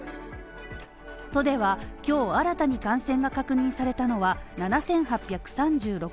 都では、今日新たに感染が確認されたのは７８３６人。